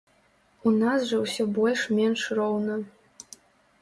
У нас жа ўсё больш менш роўна.